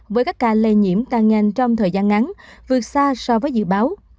với các ca lây nhiễm tăng nhanh trong thời gian ngắn vượt xa so với dự báo